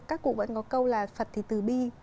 các cụ vẫn có câu là phật thì từ bi